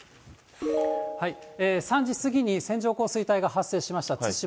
３時過ぎに線状降水帯が発生しました。